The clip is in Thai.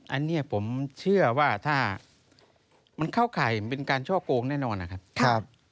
อันนี้ผมเชื่อว่าถ้ามันเข้าข่ายมันเป็นการช่อโกงแน่นอนนะครับ